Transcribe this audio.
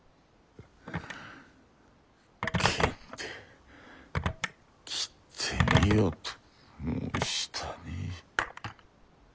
「剣で斬ってみよ」と申したに。